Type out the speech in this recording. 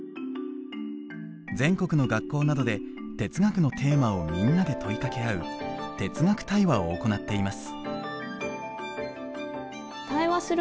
全国の学校などで哲学のテーマをみんなで問いかけ合う哲学対話を行っています。